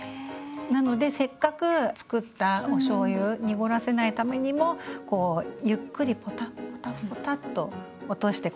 なのでせっかくつくったおしょうゆ濁らせないためにもゆっくりポタッポタッポタッと落としてこしてあげるといいと思います。